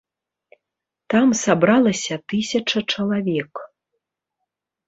Там сабралася тысяча чалавек.